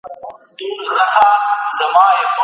نه په کوډګرو نه په مُلا سي